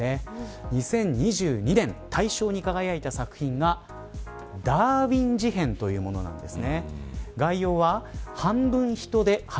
２０２２年、大賞に輝いた作品がダーウィン事変というものです。